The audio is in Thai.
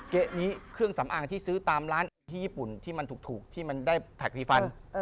นี้เครื่องสำอางที่ซื้อตามร้านที่ญี่ปุ่นที่มันถูกที่มันได้แท็กฟีฟัน